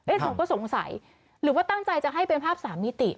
ผมก็สงสัยหรือว่าตั้งใจจะให้เป็นภาพสามมิติ